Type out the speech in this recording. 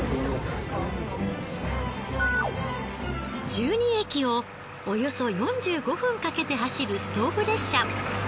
１２駅をおよそ４５分かけて走るストーブ列車。